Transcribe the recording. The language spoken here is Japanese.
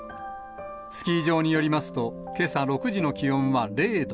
スキー場によりますと、けさ６時の気温は０度。